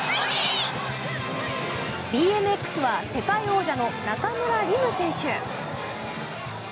ＢＭＸは世界王者の中村輪夢選手。